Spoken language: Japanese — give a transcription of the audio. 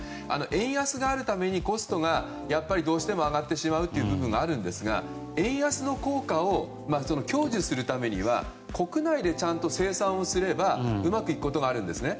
円安があるためにコストがどうしても上がってしまうという部分はあるんですが、円安の効果を享受するためには国内でちゃんと生産すればうまくいくこともあるんですね。